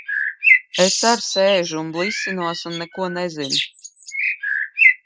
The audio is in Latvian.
Es ar sēžu un blisinos un neko nezinu.